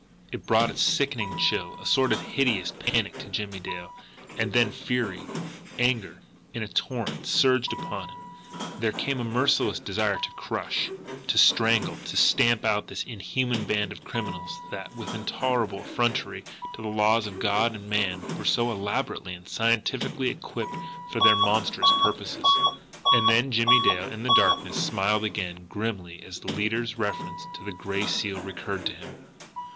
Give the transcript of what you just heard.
It brought a sickening chill, a sort of hideous panic to Jimmie Dale and then fury, anger, in a torrent, surged upon him, and there came a merciless desire to crush, to strangle, to stamp out this inhuman band of criminals that, with intolerable effrontery to the laws of God and man, were so elaborately and scientifically equipped for their monstrous purposes! And then Jimmie Dale, in the darkness, smiled again grimly as the leader's reference to the Gray Seal recurred to him.